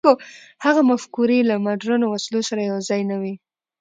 هغه مفکورې له مډرنو وسلو سره یو ځای نه وې.